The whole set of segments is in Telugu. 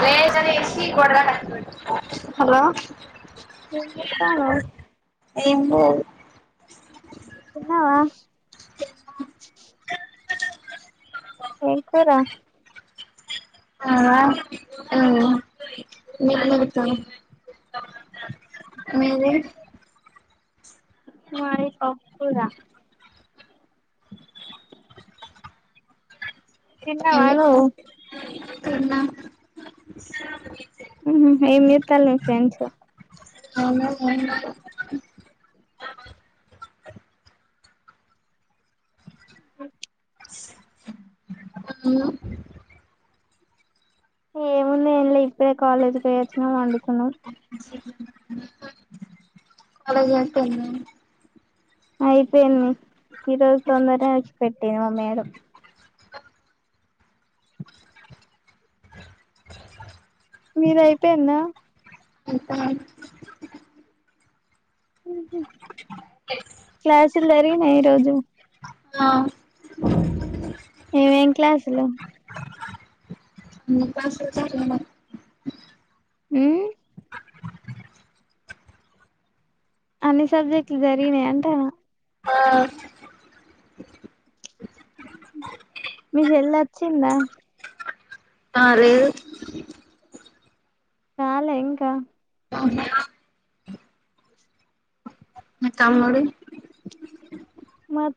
వేజనే ఎసి హలో ఏం చేత్తన్నావ్ ఏం లేదు చిన్నావా ఏకరా ఆ మతు మ మపోరా చిన్న వా ను తెన్నా ఏ మితాల్ మీ ఫ్రెడ్ చ అ ఆ ఏముంది ఇల్లో ఇప్పుడె కాలేజ్ పోయో చ్చినా వండు కాలేజీ అయిపొయింది అయిపోయింది ఈరోజు తొందర ఇసిపె ఎ మో మ్మాడు మీదయిపోయిందా అంత క్లాసులు జరిగినాయ ఈరోజు ఆ ఏమేం క్లాసు లు హ్మ్ ఫస్ట్ సెకండు హ్మ్ అన్ని సబ్జెక్టులు జరిగినాయి అంటానా, ఆ మీ చెల్ల వచ్చిందా ఆ లేదు రాలె ఇంకా అవునా నా తమ్ము డు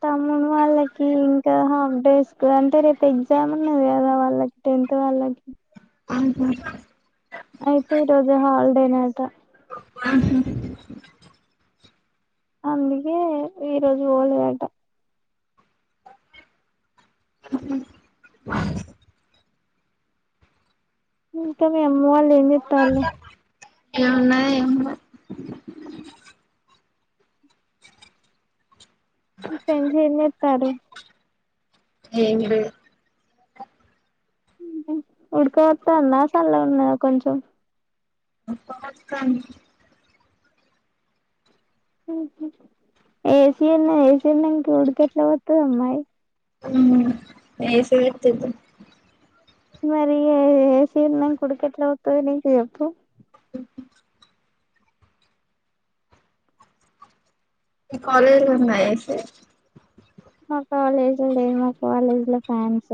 తమ్మును వాళ్ళకి ఇంకా హాఫ్ డేస్ కదా అంటే రేపు ఎగ్జామ్ ఉన్నది కదా వాళ్ళకి టెన్త్ వాళ్ళకి అహ అయితే ఈ రోజే హాల్ డే నాట వాహ అందుకే ఈరోజు పోలేదట ఇంకా మీ అమ్మ వాళ్ళు ఏం చెత్తలు ఏమున్నది ఏం లే నీ ఫ్రెండ్స్ ఎం చెత్తారు ఏం లే హు ఉడక పొత్తందా చల్లగ ఉంద కొంచెం తన్ హు ఏసీ ఉన్న ఏసి ఉన్నాక ఉడకట్లా పొత్తది అమ్మాయి ఏసి పెట్టిద్దాం మరి ఏసీ ఉన్నక ఉడుకు ఎట్ల పొత్తాదినీకు చెప్ప మీ కాలేజీలో ఉందా ఏసి మా కాలేజీ లే మ కాలేజీ లో ఫ్యాన్స్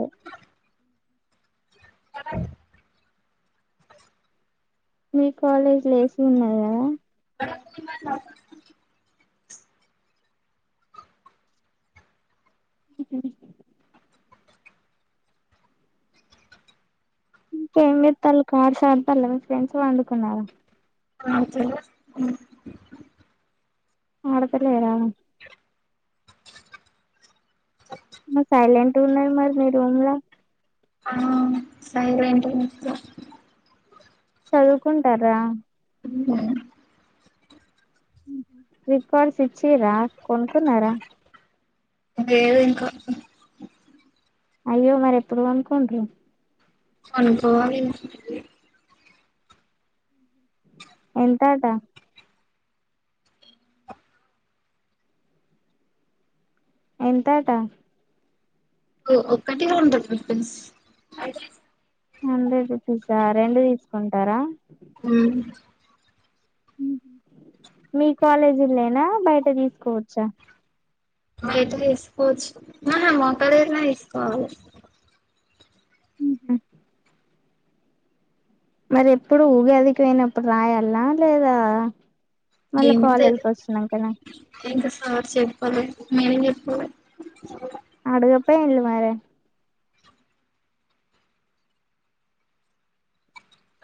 మీ కాలేజ్లో ఏసి ఉన్నాది కదా ఉహమ్ ఇంకా ఏం చేస్తాలు కార్డ్స్ ఆడుతాల్లా ఫ్రెండ్స్ పండుకున్నారు ఆడుతలే ఆడతలెరా మరి సైలెంట్‌గ ఉన్నాది మరి మీ రూమ్ లో వేంట నే చదువుకుంటారా రికార్డ్స్ ఇచ్చిరా కొనుక్కున్నారా లేదు ఇంకా అయ్యో మరి ఎప్పుడు కొనుక్కుంటారు కొనుక్కోవాలి ఇగ ఎంతట ఎంతట ఓ ఒక్కటి హండ్రెడ్ రపీస్, హండ్రెడ్ రూపీసా రెండు తీసుకుంటారా, మీ కాలేజీలైనా బయట తీసుకోవచ్చా, బయట తీసుకోవచ్చు మా కాలేజీలో తీసుకోవాలి ఉహు మరి ఎప్పుడు ఊగాదికి పోయినప్పుడు రాయల్లా లేదా మల్ల ఏమో కాలేజీకి వచ్చినంక నా ఆ చెప్పలేదు నువ్వే చెప్పు అడగపోయిళ్ళు మరే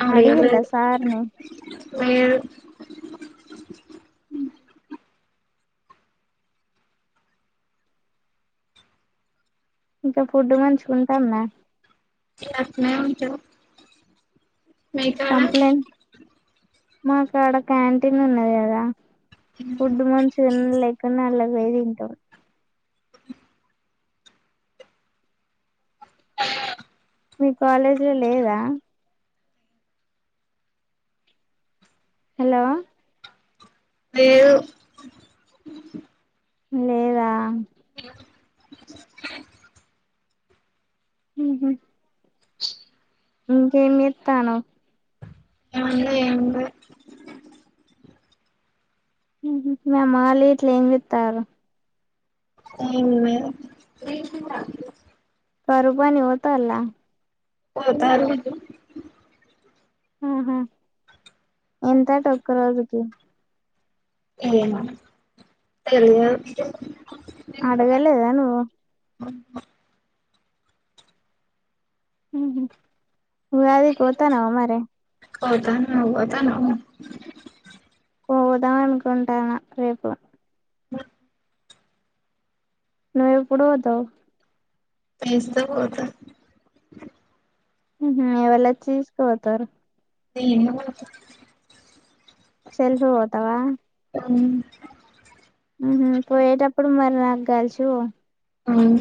అడిగలే అడిగిల్లా సార్ని మీరు ఇంకా ఫుడ్ మంచిగుంటందా అట్నే ఉంటది మీ కాడ కంప్లైంట్ మాకాడ క్యాంటీన్ ఉన్నది కదా ఫుడ్ మంచి తినలేక నల్లపోయి తింటారు మీ కాలేజీ లో లేదా హలో లేదు లేదా ఊహూ ఇంకేం చేత్తానావ్ ఏమన్నా ఏం లేదు మ్ హూ మీ అమ్మ వాళ్ళిట్లా ఏం చేత్తారు ఏం లేదు కరువు పనికి పోతాల్లా పోతారు ఊహూ ఎంతట ఒక్క రోజుకి ఏమోనే తెల్లే అడగలేదా నువ్వు ఊహూ నువ్వదిది కోతాన్నావా మరి పోతాన్నా పోతాన్నాము పోతా అనుకుంటానా రేపు నువ్వెప్పుడు పోతావ్ పిలిస్తే పోతా ఊహూ ఎవళ్ళచ్చి తీసుకుపోతారు [inaudible] సెల్ఫే పోతావా మ్మ్ పోయేటప్పుడు మరి నాకు కలిసి పో ఉమ్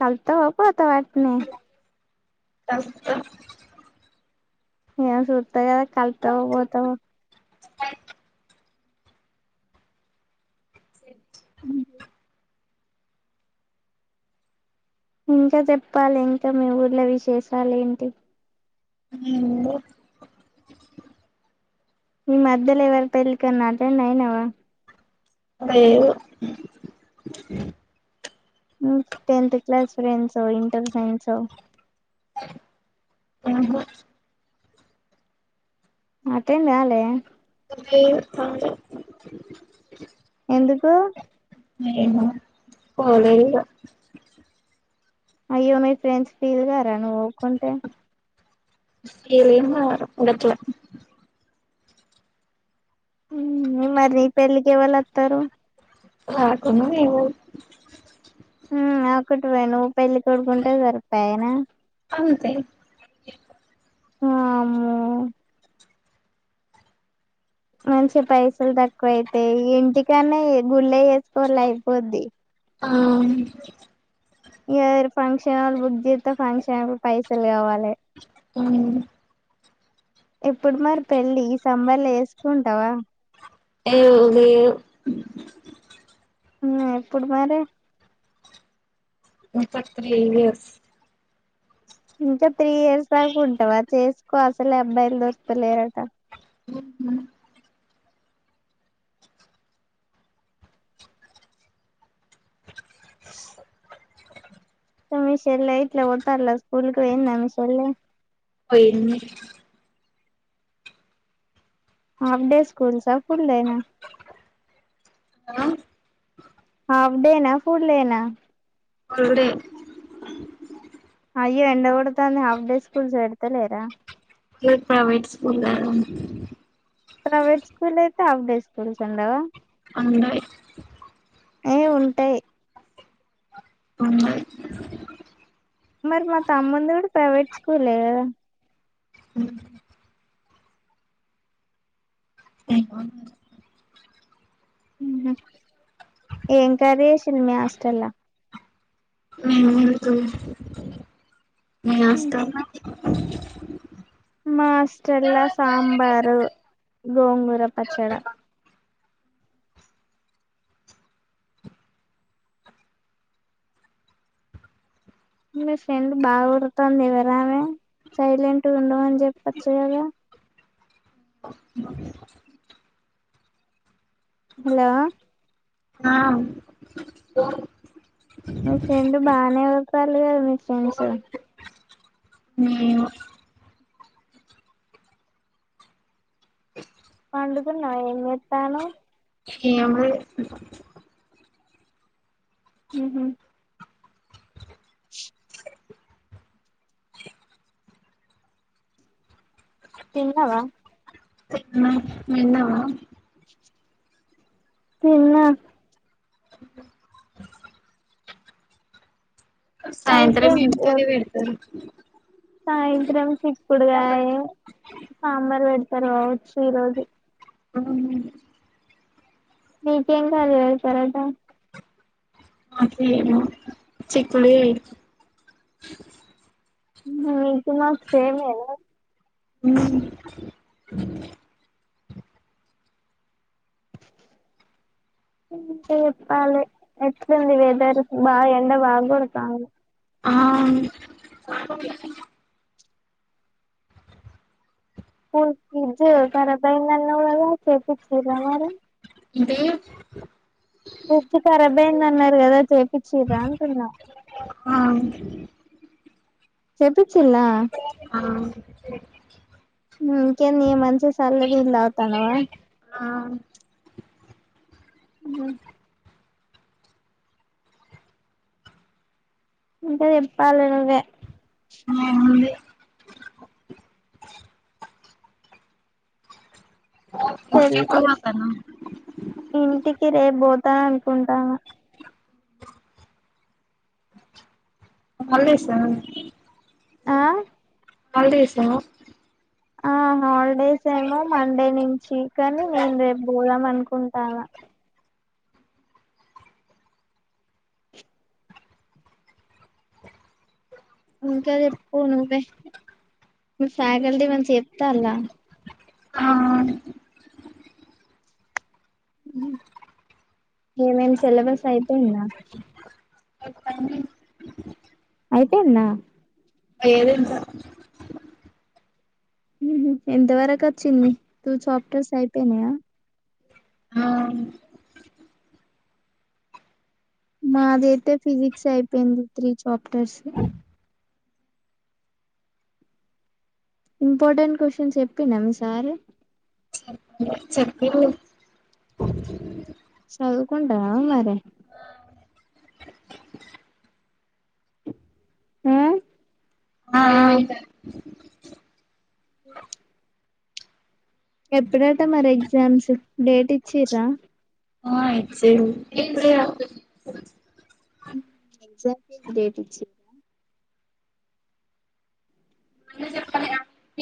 కలుత్తావా పోతావా అట్నే వస్తా ఏమో చూత్తా కదా కలుత్తావో పోతావో ఉ ఇంకా చెప్పాలి ఇంకా మీ ఊర్ ల విశేషాలేంటి నేను ఈ మధ్యలో ఎవరి పెళ్ళికైన్నా అటెండ్ అయినావా లేవు టెన్త్ క్లాస్ ఫ్రెండ్సో ఇంటర్ ఫ్రెండ్సో ఆహా అటెండ్ కాలే [unintelligible] ఎందుకు పోలేదిక అయ్యో మీ ఫ్రెండ్స్ ఫీల్గారా నువ్ పోకుంటే ఎలేం కారు గట్ల మరి నీ పెళ్ళకి ఎవళ్ళొత్తారు రాకున్నునేమో మ్ ఒకటివే నువ్వు పెళ్లి కొడుకుంటే సరిపోయనా అంతే వామ్మో మంచిగ పైసల్ తక్కువైతయి ఇగ ఇంటికనే గుళ్ళె చేసుకోండి అయిపోద్ది ఆ ఈ ఏరు ఫంక్షన్ హాల్ బుక్ చేస్తే ఫంక్షన్ పైసలు కావాలి ఉమ్ ఇప్పుడు మరి పెళ్ళి ఈ సమ్మర్ల చేస్కుంటావా ఏ లేవు ఆ ఇప్పుడు మరి థర్టీ త్రీ ఇయర్స్ ఇంకా త్రీ ఇయర్స్ దాక ఉంటవా చేసుకో అసలే అబ్బాయిలు దొర్క్త లేరట మీ చెల్లె యిట్ల పోతారా స్కూల్కి పోయిందా మీ చెల్లె పోయింది. ఆఫ్ డే స్కూసా ఫుల్లేయినా ఆ హాఫ్ డేనా ఫుడ్డేనా ఫుల్ డే అయ్యో ఎండ కొడుతంది హాఫ్ డే స్కూల్స్ పెడ్తలేరా ప్రైవేట్ స్కూల్ కదా ప్రైవేట్ స్కూల్ అయితే ఆఫ్ డే స్కూల్స్ ఉండయా ఉండయి. ఏ ఉంటాయి. ఆ మరి మా తమ్ముంది కూడా ప్రైవేట్ స్కూలే ఏం కర్రీ చేసిండ్రు మీ హాస్టళ్ల వస్త మా హాస్టళ్ల సాంబార్ గోంగూర పచ్చడా మీ ఫ్రెండ్ బా ఒర్రుతుంది ఎవరామె సైలెంట్ ఉండమని చెప్పచ్చు కదా హలో మీ ఫ్రెండు బాగనే ఒర్రుథన్లు కదా మీ ఫ్రెండ్స్ మేము పండుకున్నా ఏం చేత్తనవ్ ఏం లే మ్ తిన్నావా తిన్నవా తిన్న. అయితే సాయంత్రం ఏం కర్రీ పెడతరు. సాయంత్రం చిక్కుడుగాయ, సాంబార్ పెడ్తరు కావచ్చు ఈ రోజు మీకేం కర్రీ పెడతరట చిక్కుడుకాయ్ మీకు మాకు సేమేనా ఇంకా చెప్పాలె ఎట్లుంది వెదర్ బా ఎండ బాగా కొడుతుంది. ఆ ఓయ్ ఫ్రిజ్జు కరబైదన్నవ్ కదా చేపించిన్రా మరి అంటే ఫ్రిడ్జ్ ఖరాబ్యిందన్నారు కదా చేపించిన్రా అంటున్నా ఆ చెపించిన్లా ఆ ఇంకేది మంచి సల్లనీల్ తాగుతన్నావ్ కదా ఆ మ్ ఇంకా చెప్పాలి నువ్వే ఏముంది సెల్ ఎప్పుడు పోతన్నవ్ ఇంటికి రేపు పోతా అనుకుంటాన్న హాలిడేసా ఆ హాలిడేసా ఆ హాలిడేస్ ఏమో మండే నుంచి కాని నేను రేపు పోదాం అనుకుంటానా ఇంకా చేప్పు నువ్వే ఫ్యాకల్టీ మంచిగా చెప్తా అలా ఆ ఏమేమి సిలబస్ అయిపోయింద అయిపెందా లేదు ఇంకా ఉహు ఎంతవరకు వచ్చింది టు చాప్టర్స్ అయిపోయినాయా ఆ మాదియితే ఫిజిక్స్ అయిపోయింది త్రీ చాప్టర్స్ ఇంపార్టెంట్ క్వ్చన్స్ చెప్పిండా మి సార్ చెప్పిన్ చదువుకుంటావా మరి ఆ ఆ ఇ ఎప్పుడట మరి ఎగ్జామ్స్ డేట్ ఇచ్చిరా ఇచ్చింది ఎగ్జామ్ కి డేట్ ఇచ్చింరా మొన్న చెప్పలే